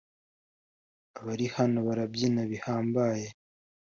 abari hano barabyina bihambaye